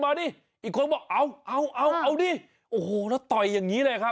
ดิอีกคนบอกเอาเอาเอาดิโอ้โหแล้วต่อยอย่างนี้เลยครับ